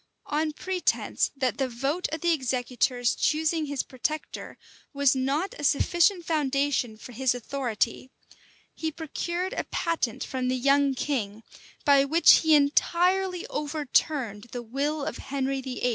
On pretence that the vote of the executors choosing his protector, was not a sufficient foundation for his authority, he procured a patent from the young king, by which he entirely overturned the will of Henry VIII.